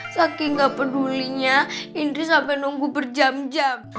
saking gak pedulinya indri sampai nunggu berjam jam